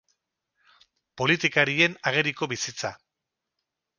Politikarien ageriko bizitza.